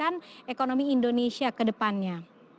ini juga akan memperbaikkan ekonomi indonesia kedepannya